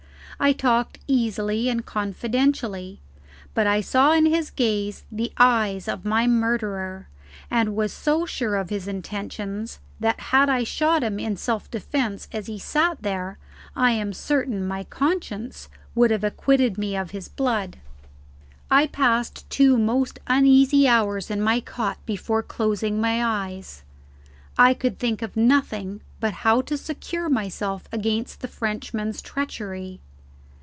I talked easily and confidentially, but I saw in his gaze the eyes of my murderer, and was so sure of his intentions that had I shot him in self defence, as he sat there, I am certain my conscience would have acquitted me of his blood. I passed two most uneasy hours in my cot before closing my eyes. I could think of nothing but how to secure myself against the Frenchman's treachery.